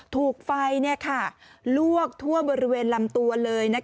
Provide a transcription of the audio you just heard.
ถูกไฟลวกทั่วบริเวณลำตัวเลย